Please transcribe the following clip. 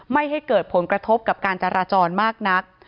ไม่ให้เกิดผลกระทบกับการจราจรมากนัก